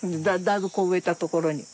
だいぶこう植えたところに。